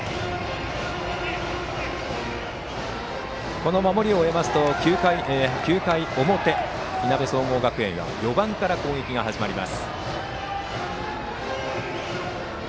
この守りを終えますと９回表いなべ総合学園は４番から攻撃が始まります。